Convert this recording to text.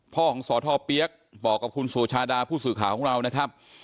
พ่อของสทเปี๊ยกบอกกับคุณสุชาดาผู้สื่อข่าวของเรานะครับ